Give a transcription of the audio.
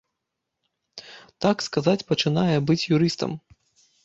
Так сказаць, пачынае быць юрыстам.